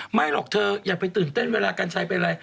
ไม่หรอกเธออย่าไปตื่นเต้นเวลากัญชัยเป็นอะไร